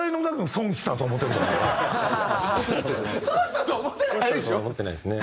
損したとは思ってないですね。